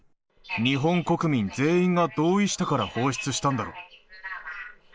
日本国民全員が同意したから放出したんだろ。